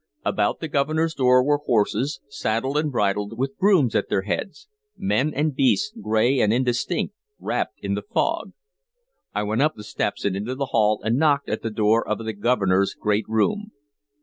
About the Governor's door were horses, saddled and bridled, with grooms at their heads, men and beasts gray and indistinct, wrapped in the fog. I went up the steps and into the hall, and knocked at the door of the Governor's great room.